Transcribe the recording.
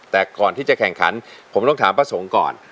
แต่ก่อนที่จะแข่งขันผมต้องถามป้าสงฆ์ก่อน